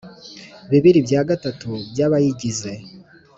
bibiri bya gatatu by abayigize